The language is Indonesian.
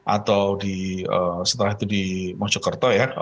atau setelah itu di mojokerto ya